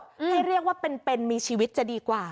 ให้เรียกว่าเป็นมีชีวิตจะดีกว่า